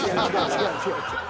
違う違う違う。